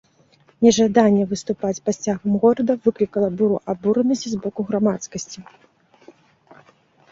Нежаданне выступаць пад сцягам горада выклікала буру абуранасці з боку грамадскасці.